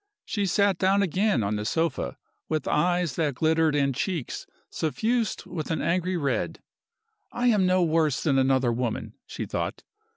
She sat down again on the sofa with eyes that glittered and cheeks suffused with an angry red. "I am no worse than another woman!" she thought.